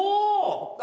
あ！